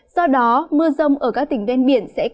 do đó mưa rông ở các tỉnh ven biển sẽ có